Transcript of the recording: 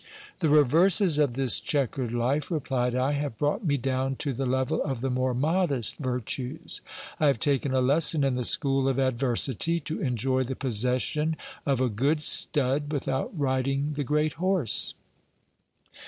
The reverses of this chequered life, replied I, have brought me down to the level cf the more modest virtues ; I have taken a lesson in the school of adversity, to enjoy the possession of a good stud without riding the great horse.